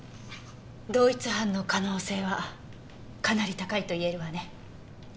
同一犯の可能性はかなり高いといえるわね。